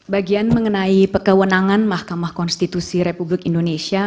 bagian mengenai kewenangan mahkamah konstitusi republik indonesia